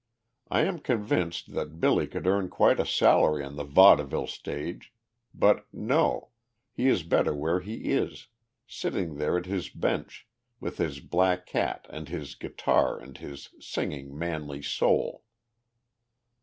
I am convinced that Billy could earn quite a salary on the vaudeville stage; but no! he is better where he is, sitting there at his bench, with his black cat and his guitar and his singing, manly soul.